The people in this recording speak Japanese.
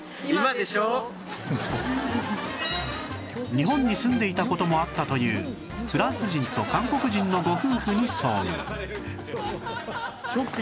日本に住んでいた事もあったというフランス人と韓国人のご夫婦に遭遇